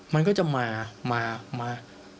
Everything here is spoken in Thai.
มันก็จะมามา